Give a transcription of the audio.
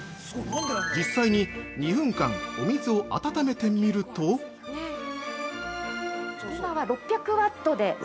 実際に、２分間お水を温めてみると◆今は６００ワットで。